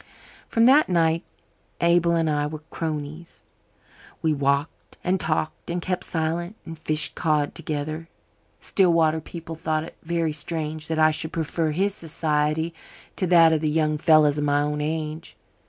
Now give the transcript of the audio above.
From that night Abel and I were cronies. We walked and talked and kept silence and fished cod together. Stillwater people thought it very strange that I should prefer his society to that of the young fellows of my own age.